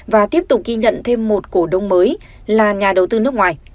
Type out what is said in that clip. và tiếp tục ghi nhận thêm một cổ đông mới là nhà đầu tư nước ngoài